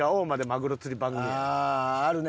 ああーあるね。